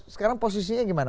sekarang posisinya gimana